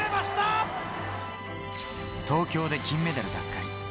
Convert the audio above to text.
東京で金メダルへ。